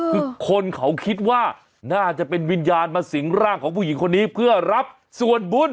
คือคนเขาคิดว่าน่าจะเป็นวิญญาณมาสิงร่างของผู้หญิงคนนี้เพื่อรับส่วนบุญ